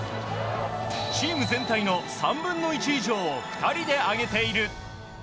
チーム全体の３分の１以上を２人で挙げている。